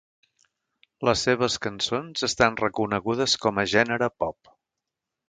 Les seves cançons estan reconegudes com a gènere pop.